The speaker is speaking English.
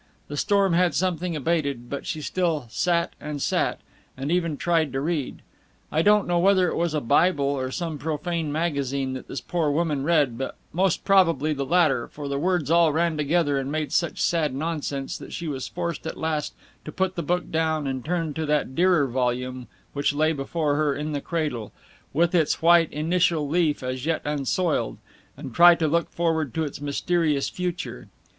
The storm had somewhat abated, but she still "sat and sat," and even tried to read. I don't know whether it was a Bible or some profane magazine that this poor woman read, but most probably the latter, for the words all ran together and made such sad nonsense that she was forced at last to put the book down and turn to that dearer volume which lay before her in the cradle, with its white initial leaf as yet unsoiled, and try to look forward to its mysterious future.